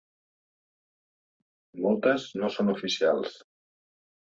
Moltes no són oficials.